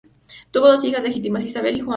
Tuvo dos hijas ilegítimas: Isabel y Juana.